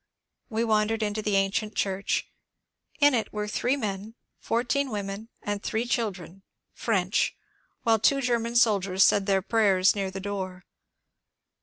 We wandered into the ancient church. In it were three men, fourteen women, and three children (French), while two German soldiers said their prayers near the door.